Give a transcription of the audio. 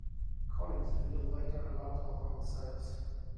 Collinsville later allowed alcohol sales.